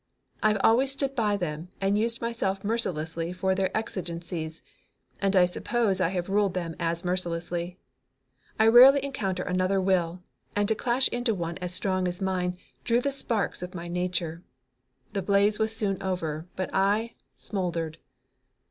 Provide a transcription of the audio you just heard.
I've always stood by them and used myself mercilessly for their exigencies, and I suppose I have ruled them as mercilessly. I rarely encounter another will, and to clash into one as strong as mine drew the sparks of my nature. The blaze was soon over, but I smouldered.